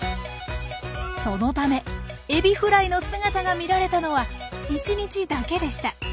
そのためエビフライの姿が見られたのは１日だけでした。